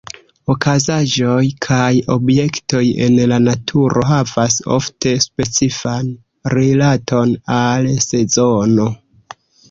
Okazaĵoj kaj objektoj en la naturo havas ofte specifan rilaton al sezono.